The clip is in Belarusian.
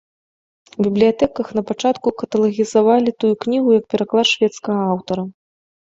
У бібліятэках напачатку каталагізавалі тую кнігу як пераклад шведскага аўтара.